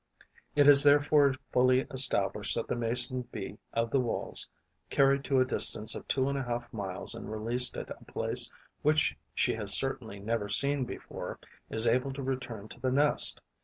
It is therefore fully established that the Mason bee of the Walls, carried to a distance of two and a half miles and released at a place which she has certainly never seen before, is able to return to the nest.